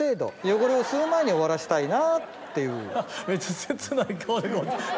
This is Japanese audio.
汚れを吸う前に終わらせたいなっていう。